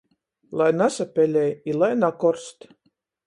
Lai nasapelej i lai nakorst.